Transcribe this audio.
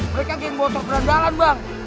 mereka geng botol berendalan bang